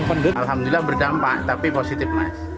alhamdulillah berdampak tapi positif